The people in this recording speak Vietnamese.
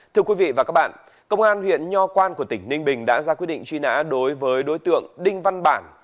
thưa quý vị và các bạn công an huyện nho quan của tỉnh ninh bình đã ra quyết định truy nã đối với đối tượng đinh văn bản